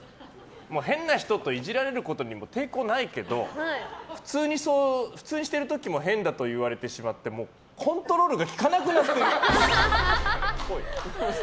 変な人とイジられることには抵抗ないけど普通にしてる時も変だと言われてしまってコントロールが利かなくなってるっぽい。